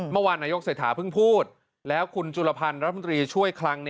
เมื่อวานนายกเศรษฐาเพิ่งพูดแล้วคุณจุลพันธ์รัฐมนตรีช่วยคลัง